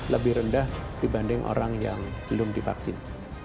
lebih rendah dibanding orang yang belum divaksin